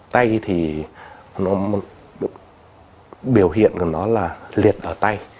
tay thì nó biểu hiện của nó là liệt ở tay